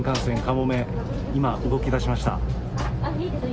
新幹線かもめ、今、動き出しました。